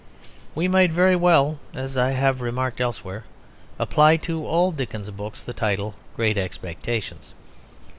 We might very well, as I have remarked elsewhere, apply to all Dickens's books the title Great Expectations.